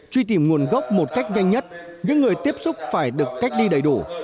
truy tìm nguồn gốc một cách nhanh nhất những người tiếp xúc phải được cách ly đầy đủ